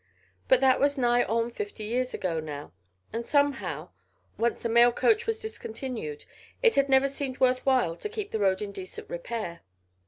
But that was nigh on fifty years ago now, and somehow once the mail coach was discontinued it had never seemed worth while to keep the road in decent repair.